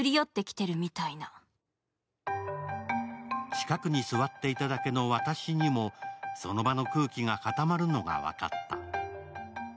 近くに座っていただけの私にもその場の空気が固まるのが分かった。